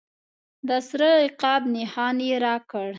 د سره عقاب نښان یې راکړ.